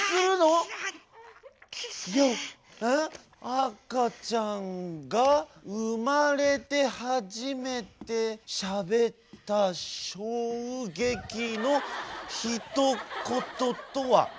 「あかちゃんがうまれてはじめてしゃべったしょうげきのひとこととは？」。